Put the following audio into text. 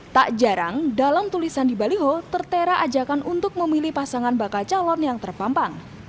tak jarang dalam tulisan di baliho tertera ajakan untuk memilih pasangan bakal calon yang terpampang